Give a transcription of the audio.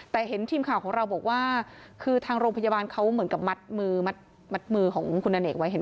แต่เห็นทีมข่าวของเราบอกว่าคือทางโรงพยาบาลก็เหมาะมึดมึดของคุณอเนกไว้เห็นมะ